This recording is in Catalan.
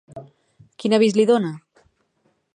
Quin avís li dona?